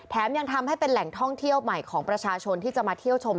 ยังทำให้เป็นแหล่งท่องเที่ยวใหม่ของประชาชนที่จะมาเที่ยวชม